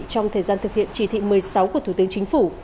trong thời gian thực hiện chỉ thị một mươi sáu của thủ tướng chính phủ